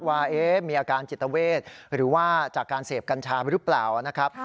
ว่ามีอาการจิตเวทหรือว่าจากการเสพกัญชาหรือเปล่านะครับ